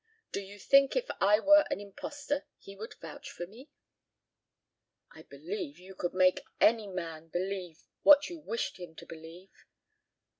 Do you think if I were an impostor he would vouch for me?" "I believe you could make any man believe what you wished him to believe."